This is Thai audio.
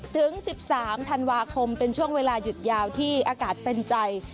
ถึง๑๓ธันวาคมเป็นช่วงเวลาหยุดยาวที่อากาศเป็นใจ